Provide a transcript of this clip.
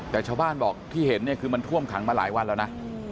แต่ชาวบ้านบอกที่เห็นเนี่ยคือมันท่วมขังมาหลายวันแล้วนะ